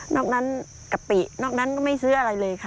นอกนั้นกะปินอกนั้นก็ไม่ซื้ออะไรเลยค่ะ